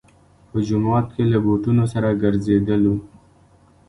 په جومات کې له بوټونو سره ګرځېدلو.